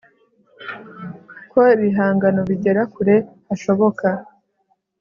ko ibihangano bigera kure hashoboka